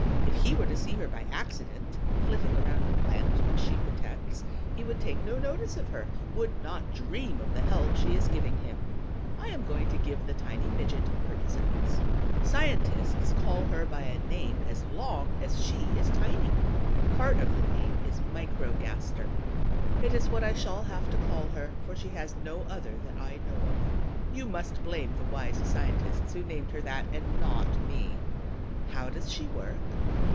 If he were to see her by accident, flitting around the plant which she protects, he would take no notice of her, would not dream of the help she is giving him. I am going to give the tiny midget her deserts. Scientists call her by a name as long as she is tiny. Part of the name is Microgaster. It is what I shall have to call her, for she has no other that I know of. You must blame the wise scientists who named her that, and not me. How does she work?